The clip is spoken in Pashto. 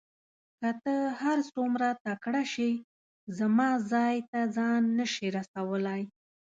که ته هر څوره تکړه شې زما ځای ته ځان نه شې رسولای.